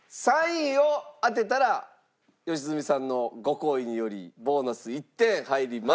３位を当てたら良純さんのご厚意によりボーナス１点入ります。